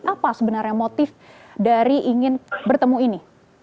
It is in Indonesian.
apa sebenarnya motif dari ingin bertemu ini